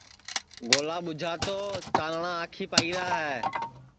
گولا ٻُوجھا تو چاݪٹؔا آنکھیپ آئیرا ہے